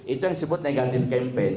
itu yang disebut negatif campaign